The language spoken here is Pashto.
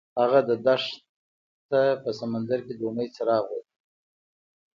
هغه د دښته په سمندر کې د امید څراغ ولید.